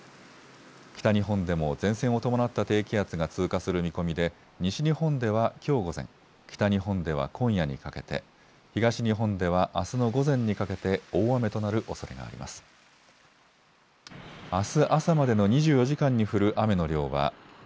北日本でも前線を伴った低気圧が通過する見込みで西日本ではきょう午前、北日本では今夜にかけて、東日本ではあすの午前にかけて大雨となるおそれがあります。